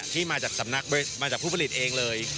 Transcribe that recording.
ที่มาจากสำนักมาจากผู้ผลิตเองเลย